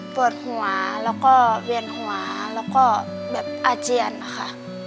ปวดหัวแล้วก็เวียนหัวแล้วก็แบบอาเจียนค่ะ